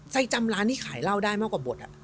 จำร้านที่ขายเหล้าได้มากกว่าบท